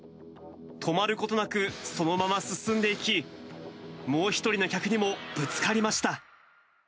止まることなく、そのまま進んでいき、もう１人の客にもぶつかりました。